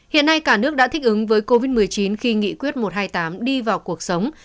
hiện nay cả nước đã thích ứng với covid một mươi chín khi nghị quyết một trăm hai mươi tám đi vào cuộc sống